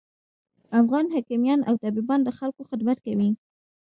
افغان حکیمان او طبیبان د خلکوخدمت کوي